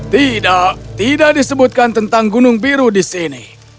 tidak tidak disebutkan tentang gunung biru di sini